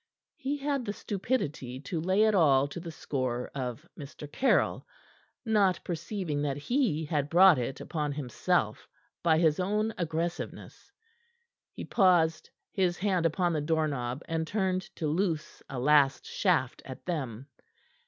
He had the stupidity to lay it all to the score of Mr. Caryll, not perceiving that he had brought it upon himself by his own aggressiveness. He paused, his hand upon the doorknob, and turned to loose a last shaft at them.